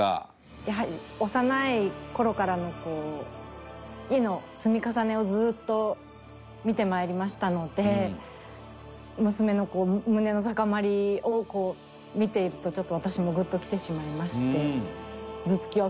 やはり幼い頃からの「好き」の積み重ねをずーっと見て参りましたので娘の胸の高まりを見ているとちょっと私もグッときてしまいまして。